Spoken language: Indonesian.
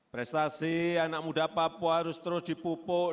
prestasi anak muda papua harus terus dipupuk